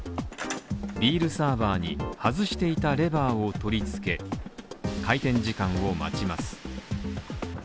ビールサーバーに外していたレバーを取り付け、開店時間を待ちます。